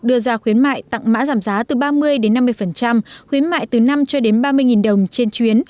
đưa ra khuyến mại tặng mã giảm giá từ ba mươi đến năm mươi khuyến mại từ năm cho đến ba mươi đồng trên chuyến